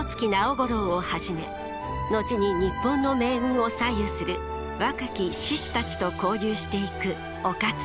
五郎をはじめ後に日本の命運を左右する若き志士たちと交流していく於一。